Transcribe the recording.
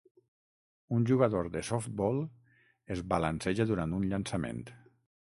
un jugador de softball es balanceja durant un llançament